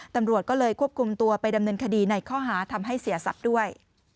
ตำรวจก็เลยควบคุมตัวไปดำเนินคดีในข้อหาทำให้เสียทรัพย์ด้วย